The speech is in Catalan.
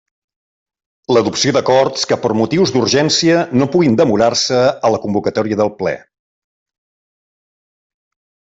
L'adopció d'acords que per motius d'urgència no puguin demorar-se a la convocatòria del Ple.